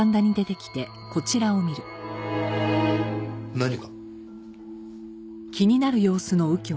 何か？